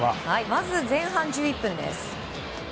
まず前半１１分です。